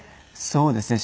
そうですね。